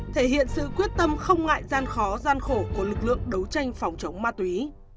thể hiện sự quyết tâm không ngại gian khó gian khổ của lực lượng đấu tranh phòng chống ma túy